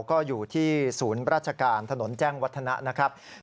ก็อยู่ที่ศูนย์ราชการถนนแจ้งวัฒนะนะครับ